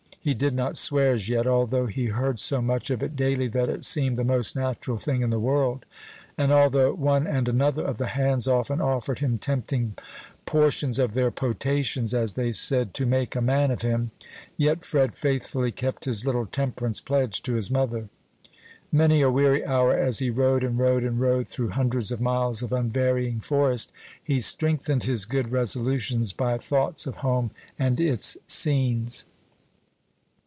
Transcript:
He did not swear as yet, although he heard so much of it daily that it seemed the most natural thing in the world; and although one and another of the hands often offered him tempting portions of their potations, as they said, "to make a man of him," yet Fred faithfully kept his little temperance pledge to his mother. Many a weary hour, as he rode, and rode, and rode through hundreds of miles of unvarying forest, he strengthened his good resolutions by thoughts of home and its scenes.